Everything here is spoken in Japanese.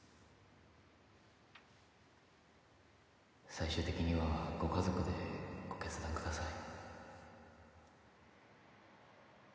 最終的にはご家族でご決断ください。